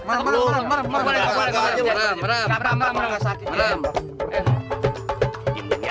ada garasinya ya